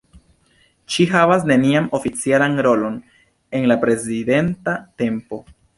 Ŝi havas nenian oficialan rolon en la prezidenta tempo.